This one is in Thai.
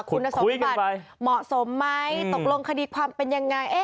คุณสมบัติเหมาะสมไหมตกลงคดีความเป็นยังไง